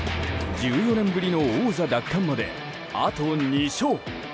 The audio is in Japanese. １４年ぶりの王座奪還まであと２勝。